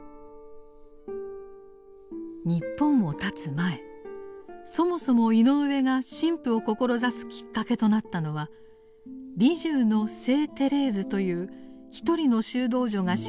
日本をたつ前そもそも井上が神父を志すきっかけとなったのは「リジュ―の聖テレーズ」という一人の修道女が記した自叙伝でした。